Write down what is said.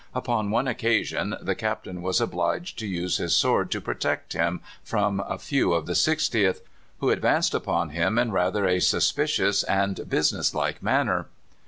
Upon one occasion the Captain was obliged to use his sword to protect him from a few of the 60th, who advanced upon him in rather a suspicious and business like manner.